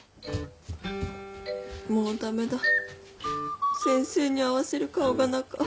もう駄目だ先生に合わせる顔がなか。